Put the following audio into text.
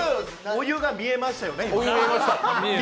お湯が見えましたよね？